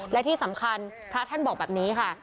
และที่สำคัญพระท่านบอกแบบนี้ค่ะ